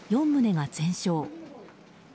４棟が全焼。